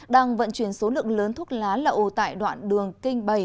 đang vận chuyển số lượng lớn thuốc lá lậu tại đoạn đường kinh bảy